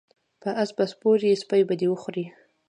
په اس به سپور یی سپی به دی وخوري